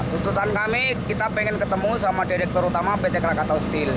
tuntutan kami kita pengen ketemu sama direktur utama pt krakatau steel